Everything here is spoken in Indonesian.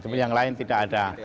tapi yang lain tidak ada